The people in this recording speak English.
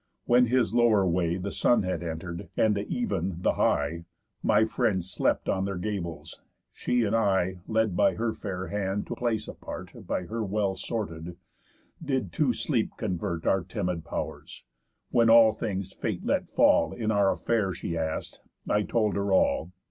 When his lower way The Sun had entered, and the Even the high, My friends slept on their gables; she and I (Led by her fair hand to place apart, By her well sorted) did to sleep convert Our timid pow'rs; when all things Fate let fall In our affair she ask'd; I told her all.